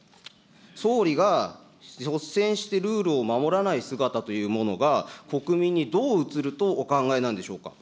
総理が率先してルールを守らない姿というものが、国民にどう映るとお考えなんでしょうか。